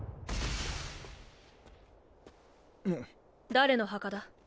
誰の墓だ？